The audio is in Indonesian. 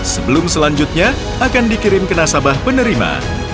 sebelum selanjutnya akan dikirim ke nasabah penerima